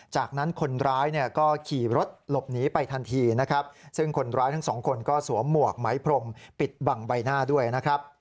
จากนั้นคนร้ายเนี่ยก็ขี่รถหลบหนีไปทันทีนะครับซึ่งคนร้ายทั้งสองคนก็สวมหมวกไหมพรมปิดบังใบหน้าด้วยนะครับ